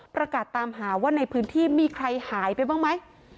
ประกาศตามหาว่าในพื้นที่มีใครหายไปบ้างไหม